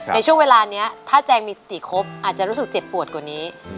ในช่วงเวลานี้ถ้าแจงมีสติครบอาจจะรู้สึกเจ็บปวดกว่านี้